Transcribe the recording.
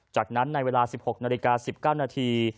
จากนั้นในเวลาสิบหกนาฬิกาสิบเก้านาที